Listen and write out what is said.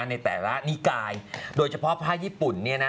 ในแต่ละนิกายโดยเฉพาะพระญี่ปุ่นเนี่ยนะ